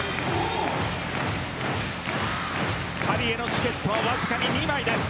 パリへのチケットはわずかに２枚です。